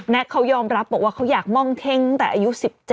แน็กเขายอมรับบอกว่าเขาอยากมองเท่งแต่อายุ๑๗